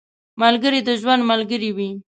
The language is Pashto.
ملګری د ژوند ملګری وي